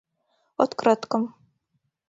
Открыткым.